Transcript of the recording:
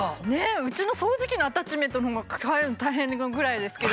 うちの掃除機のアタッチメントのほうが替えるの大変なぐらいですけど。